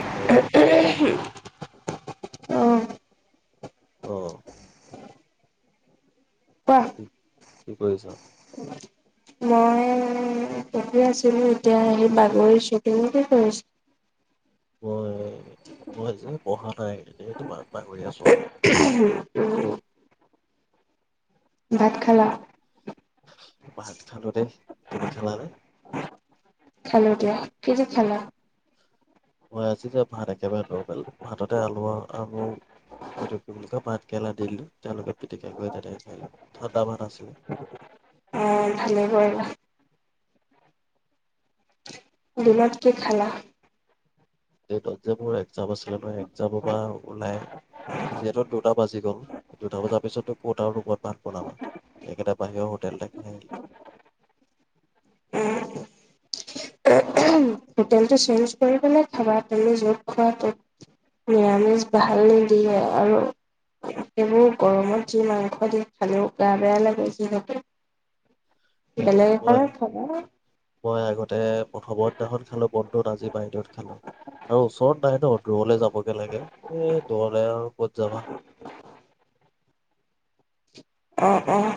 Hello অ', অ' কি [unintelligible] কি কৰিছা। মই এতে আছিলো এতিয়া আহি বাগৰিছো তুমি কি কৰিছা? হয়। [unintelligible] পঢ়া নাই এ তোমাৰ পাহৰি আছো। [unintelligible] ভাত খালা। ভাত খালো দেই। তুমি খালা নে। খালো দিয়া কি দি খালা? মই আজি যে ভাত একেবাৰে নৰমেল ভাততে আলু আলু এইটো কি বুলি কয় ভাতকেৰেলা দি দিলো তেওঁলোকে পিটিকা কৰি তেনেকৈ খালে ঠাণ্ডা ভাত আছিলে। অ' ভালেই কৰিলা। দুলত কি খালা? ডেটৰ যে মোৰ এক্জাম আছিলে নহয় একজামৰ পৰা ওলাই যিহেতু দুটা বাজি গ'ল দুটা বজাৰ পিছতো কত আৰু ৰুমত ভাত বনাবা এককেইটা বাহিৰৰ হোটেল আহিল। হোটেলটো চেঞ্জ কৰি পেলাই খাবা তুমি য'ত খোৱাটো নিৰামিষ ভাল নিদিয়ে আৰু সেইবোৰ গৰমত যি মাংস দিয়ে খালেও গো বেয়া লাগে যিহেতু। সেইটোৱে বেলেগ এঘৰে তাতে প্ৰথমৰ দিনাখন খালো বন্ধত আজি বাহিৰত খালো আৰু ওচৰত নাই ন দূৰলৈ যাবগে লাগে। এ দলে আৰু ক'ত যাবা। অঁ অঁ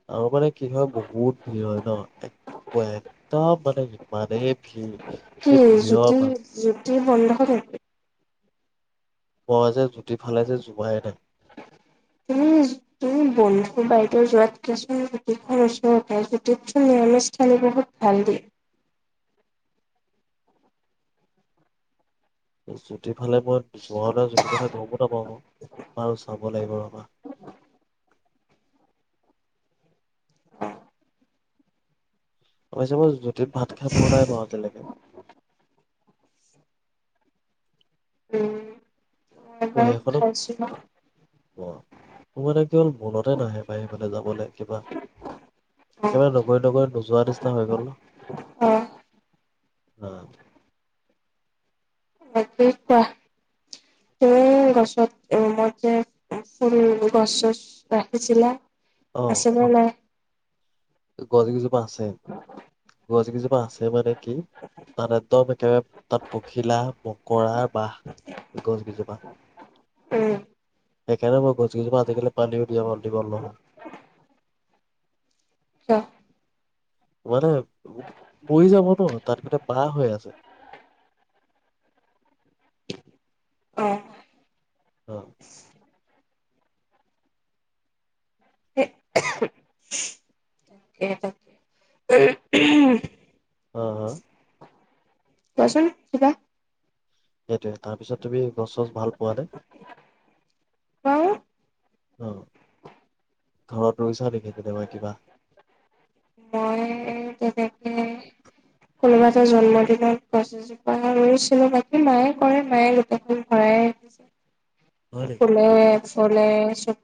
[inaudible] কিবা বহুত ভীৰ হয় ন। একদম মানে। মানে এই ভিৰ কি এই ভিৰৰ জুতি মান। জুতি বন্ধ [unintelligible] ব যে জুতি ফালে যে জোঁৱাই নাই। তুমি তুমি বন্ধু বাইদেউ যোৱাতকে চোন জোতি ওচৰতে জতিৰ্থ নিয়ম সানী বহুত ভাল দে। আছা ঠিক। ইফালে মই যোৱানা যিটো কথা গমো নাপাওঁ বাৰু চাব লাগিব ৰবা। [unintelligible] [unintelligible] ভাত খাই পোৱা নাই বাৰু এতিয়ালৈকে। উম'। অঁ খাইছো ন'। [unintelligible] কেৱল মনতে নাহে পায়ি মানে যাবলৈ কিবা অ একেবাৰে নগৰি নগৰি নোযোৱা নিচিনা হৈ গ'ল অ ন। অহ [unintelligible] কোৱা [unintelligible] গছত [unintelligible] ফুল গছ চছ ৰাখিছিলা। অ' আছে নে নাই? গছ কেইজোপা আছে। গছ কেইজোপা আছে মানে? কি? তাত একদম একেবাৰে তাত পখিলা মকৰাৰ বাহ। গছ কেইজোপা। উম। সেইকাৰণে মই গছকেইজোপা আজিকালি পানীও [unintelligible] দিব নহয়। অ মানে পৰি যাব তাত [unintelligible] বেয়া হৈ আছে। অ অ'। সেই [unintelligible] হ হা কোৱাচোন কিবা? সেইটোৱে, তাৰপিছত তুমি গছ চছ ভাল পোৱা নে? কোৱা অহ। ঘৰত ৰুইছা নেকি কেতিয়াবা কিবা? মই তেনেকে কোনোবা এটা জন্মদিনত গছ এজোপা ৰুইছিলোঁ বাকী মায়ে কৰে মায়ে গোটেইখন ভৰাই আহিছে। হয় নেকি ফুলে ফলে চব।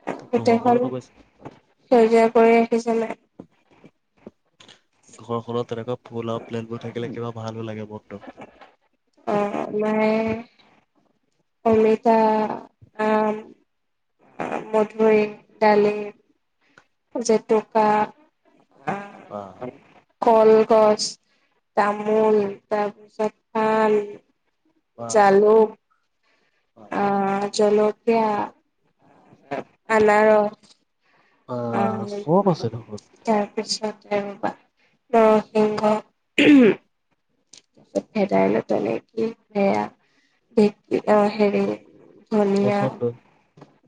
[unintelligible] ঘৰখনত গোটেইখন অৱশ্যে সেউজীয়া কৰি আহিছে নে ঘৰখনত তেনেকুৱা ফুল আৰু প্লেণ্টবোৰ থাকিলে কিবা ভালো লাগে। মনটো অ' অ' মানে অমিতা, আম মধুুৰী, ডালিম জেতুকা আহ কলগছ, তামোল তাৰপিছত পান বা জালুক বা অহ জলকীয়া [unintelligible] আনাৰচ বা চব আছে দেখোন। তাৰপিছতে ৰবা নৰসিংহ [unintelligible] ভেদাইলতা নে কি সেয়া [unintelligible] অ হেৰি ধনিয়া পচন্দ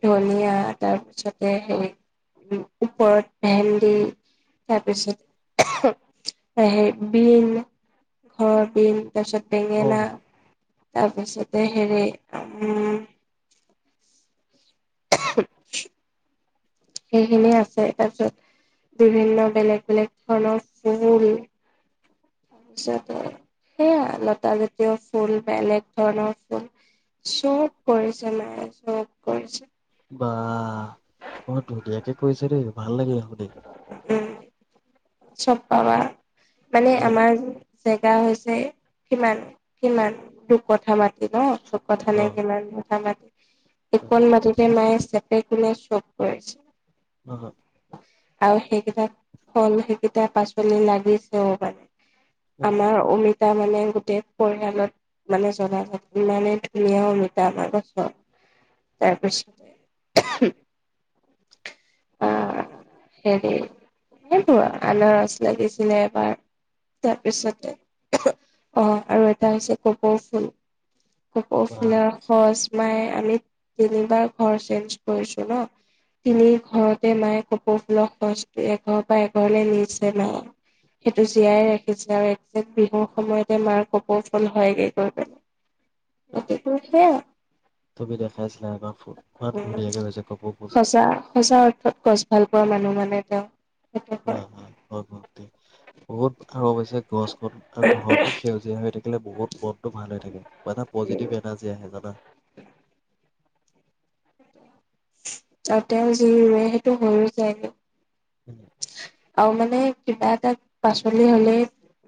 ধনিয়া তাৰপিছতে সেই ওপৰত ভেন্দি, তাৰ পিছত সেই বিন। হ কিল [unintelligible] তছত বেঙেনা। অ' তাৰপিছতে হেৰি উ'ম। সেইখিনিয়ে আছে তাৰপিছত বিভিন্ন বেলেগ বেলেগ ধৰণৰ ফুল। তাৰপিছত সেয়া লতা জাতীয় ফুল বেলেগ ধৰণৰ ফুল চব কৰিছে মায়ে চব কৰিছে। বা। অ ধুনীয়াকে কৈছে দেই ভাল লাগিছে শুনি। ই। উ'ম। চব পাবা। মানে আমাৰ জেগা হৈছে। কিমান কিমান দু কথা মাতি ন। দু কথা অ লে কিমান কথা মাতি। একণ মাটিতে নাই। পেগ বুলে চব কৰিছে। উ হ। আৰু সেইকেইটা ফল সেই। কেতিয়া পাচলি লাগিছেও মানে। আমাৰ অমিতা। তাৰ মানে গোটেই পৰিয়ালত মানে জ্বলা জ্বল ইমানেই ধুনীয়া অমিতা আমাৰ গছ তাৰপিছতে আহ হেৰি সেইবোৰ আৰু। আনৰস লাগিছিলে এবাৰ তাৰপিছতে এ আৰু এটা হৈছে কপৌ ফুল। বা কপৌফুলৰ সজ। মায়ে আমি তিনিবাৰ ঘৰ চেঞ্জ কৰিছো ন তিনি ঘৰতে মায়ে কপৌ ফুলৰ সজ এঘৰ বা এঘৰ। নিছে নাই সেইটো জীয়াই ৰাখিছে আৰু একে্ট বিহুৰ সময়তে মাৰ কপৌ ফুল হয়গৈ গৈ। সেইটো সেয়া তুমি দেখাইছিলা এবাৰ ফুল ইমান ধুনীয়াকে হৈছে কপৌ ফুল সঁচা সঁচা অৰ্থত গছ। ভাল পোৱা মানুহ মানে যওঁ। ত হয়। হয় বহুত। আৰু অৱশ্যে গছ গ আৰু গোহৰৰতো সেউজীয়া হৈ থাকে। থাকিলে বহুত মনত ভাল থাকে এটা পজিটিভ এনাৰ্জি আহে জানা। আৰু তেওঁ যি ৰুৱে সেইটো হৈ যায় গে। [unintelligible] আৰু মানে কিবা এটা পাচলি হলে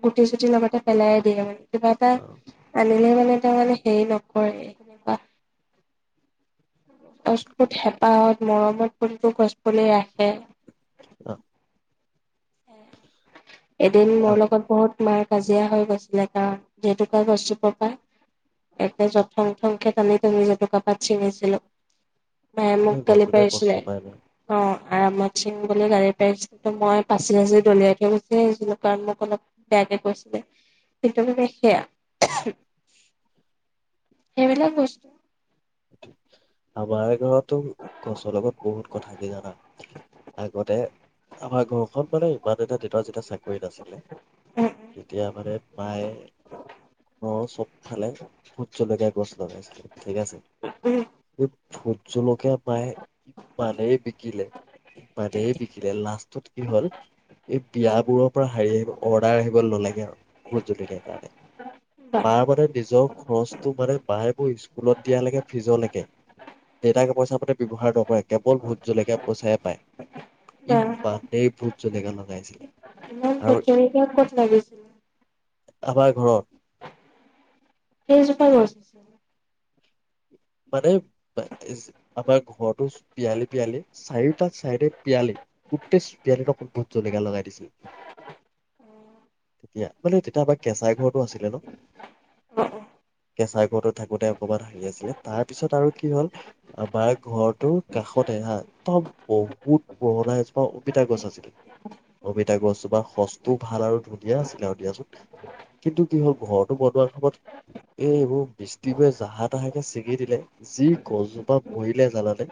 গুটি চুটি লগতে পেলাই দিয়ে মানে। কিবা এটা অ আনিছে। মানে তাৰ মানে হে নকৰে সনেকুৱা [unintelligible] গছপুত হেঁপাহত মৰমত কোনটো গছ পুলি ৰাখে। আহ, উ [unintelligible] এদিন মোৰ আৰু লগত বহুত মাক কাজিয়া হৈ গৈছিলে কাৰণ জেতুকা গছোপপাই এ যথং থং খে [unintelligible] মি তমি জেতুকাাপাত ছিঙিছিলো। মায়ে মোক সেই গালি গছজোপাই কষ্ট পাইচিলে পায় ন অ', আৰামত চিম বুলি [unintelligible] জানি পাইছিলো মই পাচি সাঁচি দলিয়া থৈ গুচি আছিলোঁ! সেই কাৰণ মোক অলপ বেয়াকে কৈছিলে কিন্তু মানে সেয়া সেইবিলাক বস্তু আমাৰ ঘৰতো গছৰ লগত বহুত কথ কি জানা আগতে আমাৰ ঘৰখন মানে ইমান এটা উ, যেতিয়া চাকৰিত আছিলে উম তেতিয়া মানে মায় খালে ভুতজলকীয়া গছ লগাইছিলে ঠিক আছে। উম উম উ, ভুত জলকীয়া পায় মানেই বিকিলে বা [unintelligible] বিকিৰে নাচ্ত ত কি হ'ল, এই বিয়াবোৰৰ পৰা হাৰৰি আহিব অৰ্ডাৰ আহিব নলাগে আৰু বহুত জলকীয়াৰ কাৰণে, বা মাৰ মতে নিজক খৰচটো মানে মায়ে বোৰ স্কুলত দিয়া লেকে ফিজলৈকে দেতাকে পইচা পাতে ব্যৱহাৰ নকৰে কেৱল ভোত জলেকীয়া পইচায় পায়। বা ইবা, এই ভুট জলকীয়া লগাই। ইমান ভুটজলকীয়া ক'ত লাগেছিল। আমাৰ ঘৰত। কেইজোপা গছ আছিল? মানে আমাৰ ঘৰতো পিয়ালি-পিয়ালি চাৰিটা চাইডে পিয়ালি গোটেই পিয়ালিত অক ভোট জলকাীয়া লগাই দিছিলে তেতিয়া মানে তেতিয়া আমাৰ কেঁচাই ঘৰতো আছিলে ন অ অ কেঁচাই ঘৰৰতো থাকোতে অকমান হাঁহি আছিলে। তাৰপিছত আৰু কি হল আমাৰ ঘৰটোৰ কাষতে হা একদম বহুত পুৰণা এজোপা অমিতা গছ আছিল। অমিতা গছজোপাৰ সজ ভাল আৰু ধুনীয়া আছিলে আৰু দিয়াচোন কিন্তু কি হ'ল ঘৰটো বনোৱা সময়ত এই এইবোৰ মিষ্টিবোৰে জাহা তাহাকে দিলে যি গছজোপা মৰিলে জানানে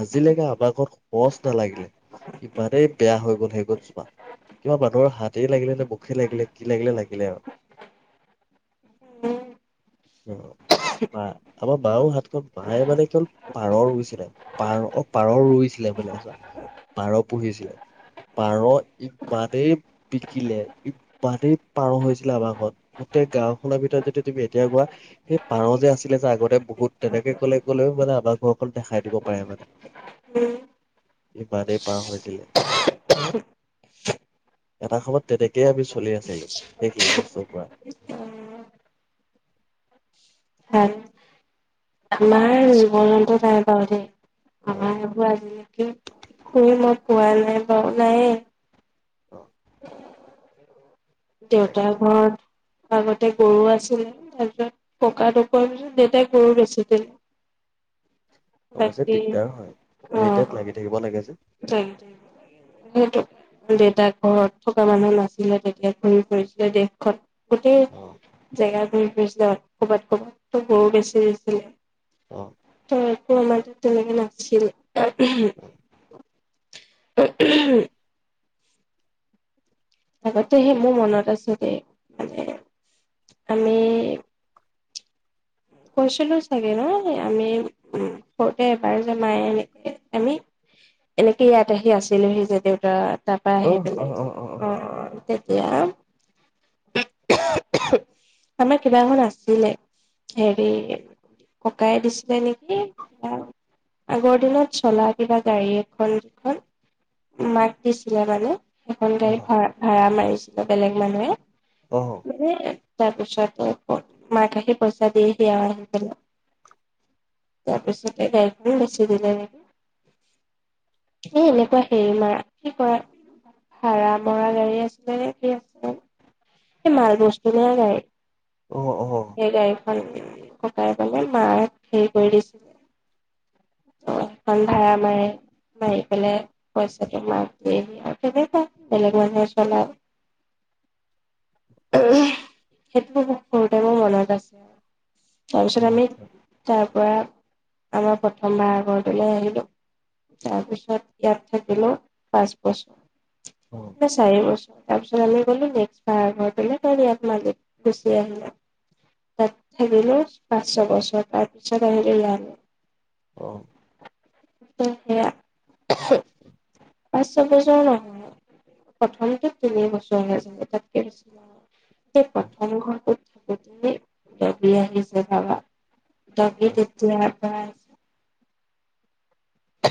আজিলৈকে আমাক ঘত সজ নালাগিলে ইমানেই বেয়া হৈ গল সেই গছজোপা কিবা মানুহৰ হাতেই লাগিলে নে মুখে লাগিলে কি লাগিলে লাগিলে আৰু আমাক মায়ৰ হাতখন মায়ে মানে কেৱল পাৰ ৰুইছিলে পাৰ পাৰ ৰুইছিলে বুলিছোৱা পাৰ পুহিছিলে পাৰ ইমানেই বিকিলে ইমানেই পাৰ হৈছিলে আমাৰখন গোটেই গাওখনৰ ভিতৰত যদি তুমি এতিয়া কোৱা সেই পাৰ যে আছিলে যে আগতে বহুত তেনেকে কলে কলেও মানে আমাক ঘৰ অকল দেখাই দিব পাৰে মানে ইমানেই পাৰ হৈছিলে এটা সময়ত তেনেকেই আমি চলি আছিলো সেইখিনি বস্তুৰ পৰা। হ আমাৰ বন্ত ৰাাই বউ [unintelligible] অ আজ নেক [unintelligible] কোৱা নাই ব নাই, অ', তেনেকুৱা দেউতাৰ ঘৰ আগতে গৰু আছিল এজন ককা ঢুকুৱাৰ পিছ দেউতাই গৰু বেচি দিলে। অৱশ্যে বাকী দিগদাৰ হয় এনিটাইপ লাগি থাকিব লাগে যে, দেতা ঘৰত থকা মানুহ নাছিলে দেতাই ঘূৰি ফুৰিছিলে দেশখন। গোটেই অ জেগা স ক'বাত ক'ৰবাতো ব [unintelligible] বেছি হৈছিলে। অ, একো আমাৰ তেনেকে নাছিল। উম উম উম আগতে সেই মোৰ মনত আছ যে মানে আমি কৈছিলো চাগে নহয় আমি উ সৰুতে এবাৰ যে মায়ে এনে আমি এনেকে ইয়াত আহি আছিলোহি যে দেউতা তাৰ পৰা আহি পেলাই অ', অ', এতিয়া আমাৰ কিবা এখন আছিলে। হেৰি ককাইে দিছিলে নেকি কিবা আগৰ দিনত চলা কিবা গাড়ী এখন যখন মাক দিছিলে মানে। এখন গাড়ী ভা ভাড়া মাৰিছিল। বেলেগ মানুৱে অ মেকে [unintelligible] তাৰপিছতে মাক আহি পইচা দি সেয়া আহিছিল তাৰপিছতে গাড়ীখনো বেছি দিল লাগে স এনেকুৱা হেৰি মৰা কি কৰা ভৰা মৰা গাড়ী আছিলে নে স আছিলে। এই মাল বস্তু নিয়া গাৰি। অ', অ', ককাই বলে মাক হেৰি কৰি দিছিল ত সেইখন ভড়া মাৰে মাৰি পেলাই পইচাটো মাক দে আহি আৰু তেনেুৱা বেলেগ মানুহে চলও সেইটো সৰু ত মোৰ মনত আছে। অ তাৰপিছত আমি আচ্ছা তাৰ পৰা আমাৰ প্ৰথমবাৰ আগৰ ঘলৈ আহিলো তাৰ পিছত ইয়াত থাকিলো পাঁচ বছৰ। অ ন চাইছ তাৰ পিছ আমি গ'লো নেক্স ভাৰা ঘৰটোলৈ ইয়াত মাজ গুচি আহিলো। তাত থাকিলো পাঁচ ছ বছৰ তাৰ পিছত আহিলো ইয়ালে। অ, অ', সেয়া। পাঁচ, ছয় বছৰ নহয় প্ৰথমটো তিনি বছৰে যানে তাতকে বছ সেই প্ৰথম ঘৰটো থি আহিছে ভাবা। দগি অ', তেতিয়া পাছ উ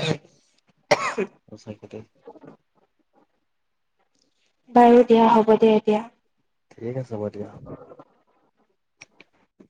সচাকে [inaudible] বাৰু দিয়া হ'ব দিয়া এতিয়া। ঠিক আছে হব দিয়া।